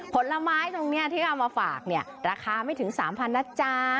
ผลไม้ตรงนี้ที่เอามาฝากเนี่ยราคาไม่ถึง๓๐๐นะจ๊ะ